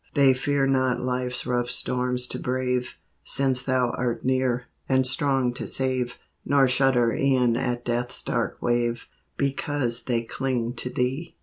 They fear not life's rough storms to brave, Since Thou art near, and strong to save; Nor shudder e'en at death's dark wave; Because they cling to Thee!